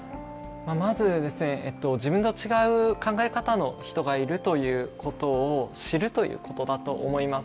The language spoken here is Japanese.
まず、自分と違う考え方の人がいるということを知るということだと思います。